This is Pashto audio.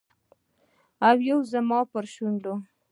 او یو زما پر شونډو